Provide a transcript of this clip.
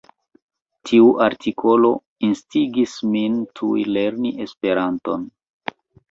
Tiu artikolo instigis min tuj lerni Esperanton.